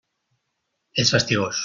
És fastigós.